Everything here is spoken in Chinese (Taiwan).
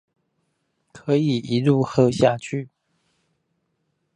可以一路喝下去